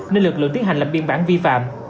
nên lực lượng tiến hành lập biên bản vi phạm